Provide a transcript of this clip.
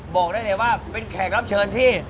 บอกได้เลยว่าเป็นแขกรับเชิญที่